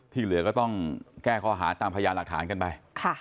เหลือก็ต้องแก้ข้อหาตามพยานหลักฐานกันไป